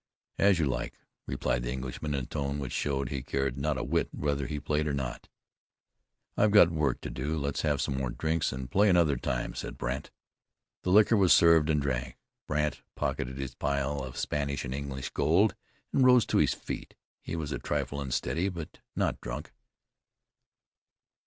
"As you like," replied the Englishman, in a tone which showed he cared not a whit whether he played or not. "I've got work to do. Let's have some more drinks, and play another time," said Brandt. The liquor was served and drank. Brandt pocketed his pile of Spanish and English gold, and rose to his feet. He was a trifle unsteady; but not drunk.